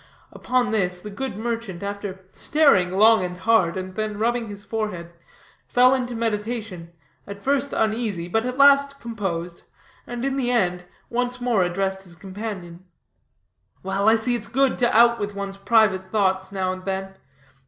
Upon this, the good merchant, after staring long and hard, and then rubbing his forehead, fell into meditation, at first uneasy, but at last composed, and in the end, once more addressed his companion: "Well, I see it's good to out with one's private thoughts now and then.